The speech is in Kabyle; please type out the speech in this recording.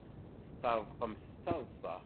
Teṭṭerḍqemt d taḍsa.